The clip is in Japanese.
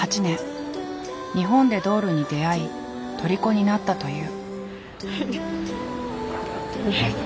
日本でドールに出会いとりこになったという。